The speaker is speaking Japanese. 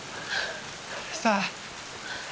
さあ。